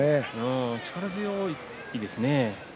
力強いですね。